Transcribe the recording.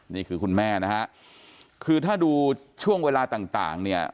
นี่คือคุณแม่นะฮะคือถ้าดูเวลาต่างเนี่ย